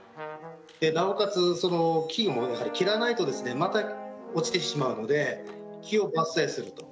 なおかつ、その木も、やはり切らないとまた落ちてしまうので木を伐採すると。